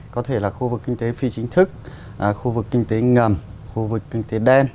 có thể là khu vực kinh tế phi chính thức khu vực kinh tế ngầm khu vực kinh tế đen